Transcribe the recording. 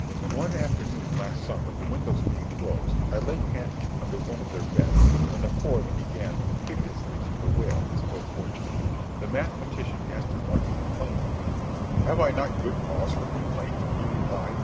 Berg. One afternoon, last summer, the windows being closed, I lay panting under one of their beds, when the poet began piteously to bewail his ill fortune. The mathematician asked him what he complained of. "Have I not good cause for complaint?" he replied.